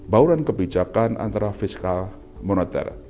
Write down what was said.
bauran kebijakan antara fiskal moneter